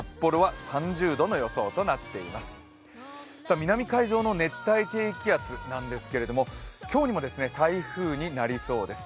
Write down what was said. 南海上の熱帯低気圧なんですけれども今日にも台風になりそうです。